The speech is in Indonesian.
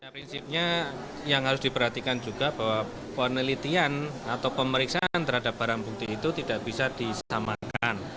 prinsipnya yang harus diperhatikan juga bahwa penelitian atau pemeriksaan terhadap barang bukti itu tidak bisa disamakan